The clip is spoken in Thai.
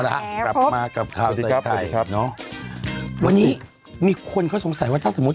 ละครับโผ๊บมากับค่าเสียที่ไทยเนอะวันนี้มีคนเขาสงสัยว่าถ้าสมมุติ